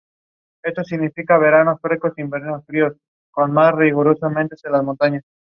The titles and the performer(s) are not known.